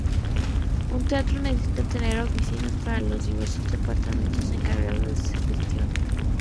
Un teatro necesita tener oficinas para los diversos departamentos encargados de su gestión.